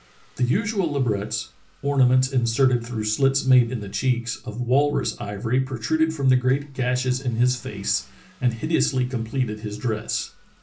The usual labrets (ornaments inserted through slits made in the cheeks) of walrus ivory protruded from the great gashes in his face and hideously completed his dress.